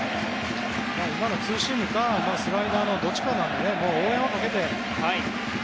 今のツーシームかスライダーのどちらかなのでヤマをかけて。